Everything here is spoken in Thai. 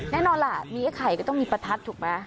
แน่นอนล่ะนี่ไอ้ไข่คนต้องมีปะทัดถึงบ้าง